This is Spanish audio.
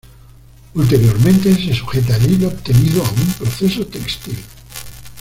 Ulteriormente, se sujeta el hilo obtenido a un proceso textil.